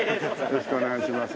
よろしくお願いします。